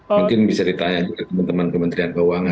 mungkin bisa ditanya juga teman teman kementerian keuangan